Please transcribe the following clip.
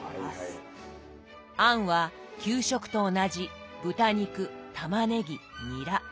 餡は給食と同じ豚肉たまねぎニラ。